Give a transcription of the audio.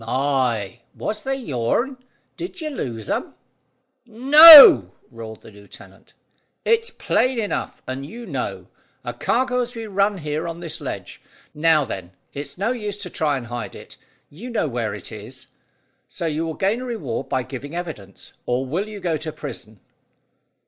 "My! Was they your'n? Did you lose 'em?" "No," roared the lieutenant; "it's plain enough, and you know. A cargo has been run here on this ledge. Now, then; it's no use to try and hide it. You know where it is; so will you gain a reward by giving evidence, or will you go to prison?"